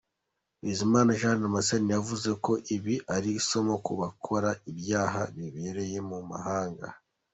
Bizimana Jean Damascene, yavuze ko ibi ari isomo ku bakora ibyaha bibereye mu mahanga.